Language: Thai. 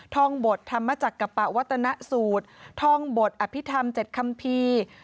ท่องบทธรรมจักรปะวัตนสูตรท่องบทอภิษฐรรม๗คัมภีร์